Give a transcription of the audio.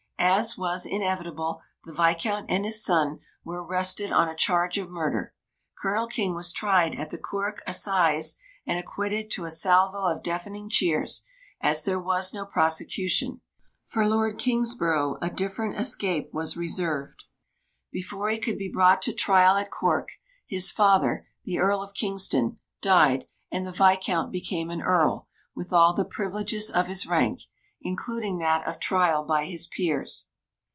As was inevitable, the Viscount and his son were arrested on a charge of murder. Colonel King was tried at the Cork Assizes, and acquitted to a salvo of deafening cheers, as there was no prosecution. For Lord Kingsborough a different escape was reserved. Before he could be brought to trial at Cork, his father, the Earl of Kingston, died, and the Viscount became an Earl, with all the privileges of his rank including that of trial by his Peers.